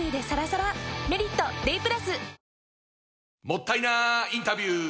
もったいなインタビュー！